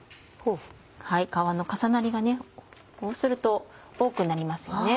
皮の重なりがこうすると多くなりますよね。